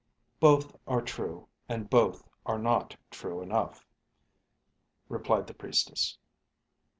"Both are true, and both are not true enough," replied the priestess.